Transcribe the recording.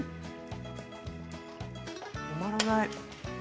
止まらない。